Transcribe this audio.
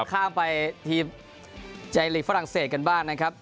ทีมใจลีกฝรั่งเศสกันบ้างนะครับ